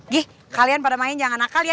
g kalian pada main jangan nakal ya